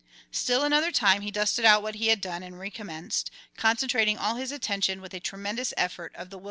Still another time he dusted out what he had done and recommenced, concentrating all his attention with a tremendous effort of the will.